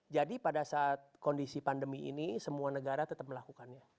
jadi pada saat kondisi pandemi ini semua negara tetap melakukannya